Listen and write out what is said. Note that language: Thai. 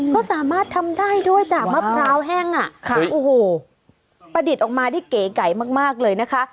ก็สามารถทำได้ด้วยจากมะพร้าวแห้งอ่ะค่ะโอ้โหประดิษฐ์ออกมาได้เก๋ไก่มากเลยนะคะ